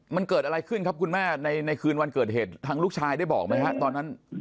มันเกิดอะไรขึ้นครับคุณแม่ในคืนวันเกิดเหตุทางลูกชายได้บอกไหมฮะตอนนั้น